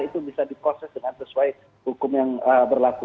itu bisa diproses dengan sesuai hukum yang berlaku